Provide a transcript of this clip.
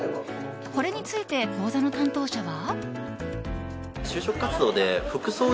これについて、講座の担当者は。